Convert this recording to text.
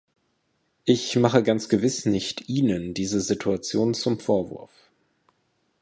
Ich mache ganz gewiss nicht Ihnen diese Situation zum Vorwurf.